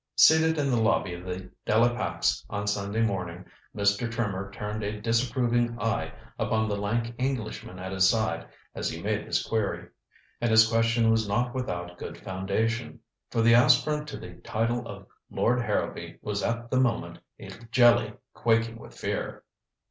Seated in the lobby of the De la Pax on Sunday morning, Mr. Trimmer turned a disapproving eye upon the lank Englishman at his side as he made this query. And his question was not without good foundation. For the aspirant to the title of Lord Harrowby was at the moment a jelly quaking with fear.